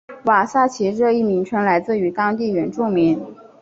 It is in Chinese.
瓦萨奇这一名称来自于当地原住民。